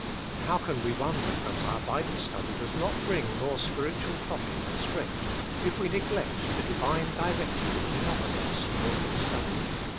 How can we wonder that our Bible study does not bring more spiritual profit and strength, if we neglect the Divine Directory it offers us for that study.